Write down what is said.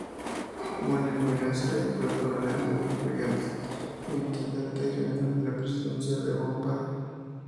Monier-Williams era hijo del coronel Monier Williams, intendente general en la presidencia de Bombay.